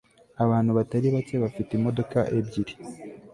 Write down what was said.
abantu batari bake bafite imodoka ebyiri